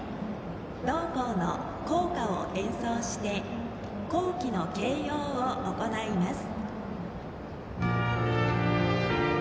同校の校歌を演奏して校旗の掲揚を行います。